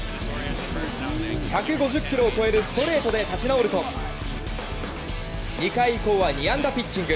１５０キロを超えるストレートで立ち直ると２回以降は２安打ピッチング。